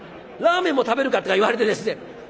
ラーメンも食べるか？」とか言われてですね